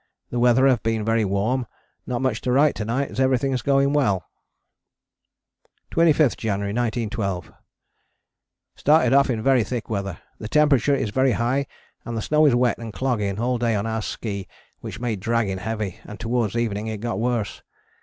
The weather have been very warm, not much to write to night as everything is going well. 25th January 1912. Started off in very thick weather, the temperature is very high and the snow is wet and clogging all day on our ski, which made dragging heavy, and towards evening it got worse.